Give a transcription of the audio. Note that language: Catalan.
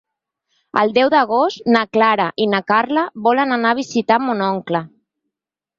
El deu d'agost na Clara i na Carla volen anar a visitar mon oncle.